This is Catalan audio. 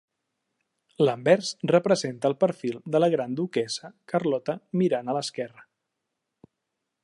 L'anvers representa el perfil de la Gran Duquessa Carlota mirant a l'esquerra.